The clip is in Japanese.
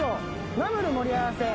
ナムル盛り合わせ。